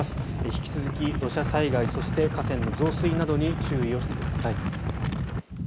引き続き土砂災害そして、河川の増水などに注意をしてください。